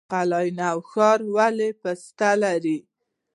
قلعه نو ښار ولې پسته لري؟